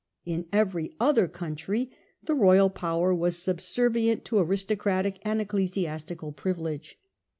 In every other country the royal power was subservient to aristocratic and ecclesiastical privilege.